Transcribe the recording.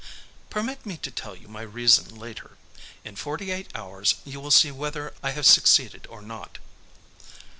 "Permit me to tell you my reason later. In forty eight hours you will see whether I have succeeded or not."